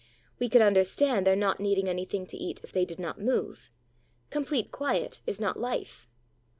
We could understand their not needing anything to eat if they did not move; complete quiet is not life.